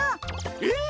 えっ！？